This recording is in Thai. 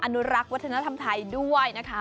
อนุรักษ์วัฒนธรรมไทยด้วยนะคะ